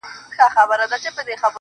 پنځه میاشتې مخکې محمد راته پیغام وکړ